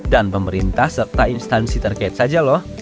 dan pemerintah serta instansi terkait saja loh